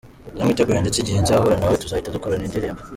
Ndamwiteguye ndetse igihe nzahura na we tuzahita dukorana indirimbo.